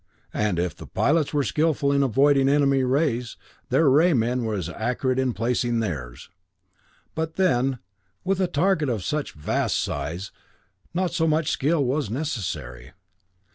And if the pilots were skillful in avoiding enemy rays, their ray men were as accurate in placing theirs. But then, with a target of such vast size, not so much skill was necessary.